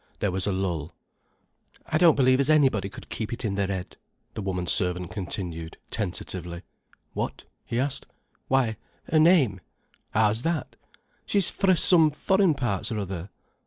There was a lull. "I don't believe as anybody could keep it in their head," the woman servant continued, tentatively. "What?" he asked. "Why, 'er name." "How's that?" "She's fra some foreign parts or other."